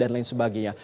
dan lain sebagainya